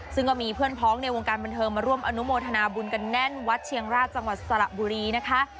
ซึ่งก็มีเพื่อนพ้องในวงการบันเทิงมาร่วมอนุโมทนาบุญกันแน่นวัดเชียงราชจังหวัดสระบุรีนะคะ